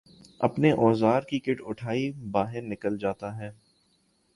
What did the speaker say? اپنے اوزار کی کٹ اٹھائے باہر نکل جاتا ہے